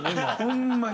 ホンマに。